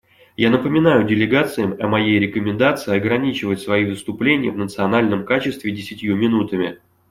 Я напоминаю делегациям о моей рекомендации ограничивать свои выступления в национальном качестве десятью минутами.